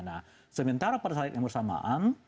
nah sementara pada saat yang bersamaan